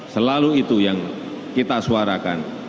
selalu itu yang kita suarakan